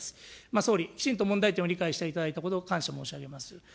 総理、きちんと問題点を理解していただいたこと、感謝申し上げます。